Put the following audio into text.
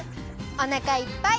おなかいっぱい！